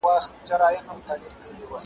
ویري واخیستم توپک مي وچ لرګی سو `